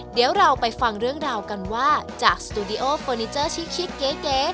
เดี๋ยวเราไปฟังเรื่องราวกันว่าจากสตูดิโอเฟอร์นิเจอร์ชิดเก๋